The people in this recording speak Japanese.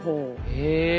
へえ。